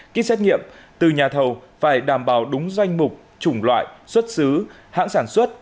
ký xét nghiệm từ nhà thầu phải đảm bảo đúng danh mục chủng loại xuất xứ hãng sản xuất